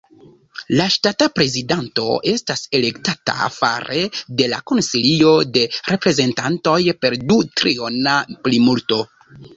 La ŝtata prezidanto estas elektata fare de la Konsilio de Reprezentantoj per du-triona plimulto.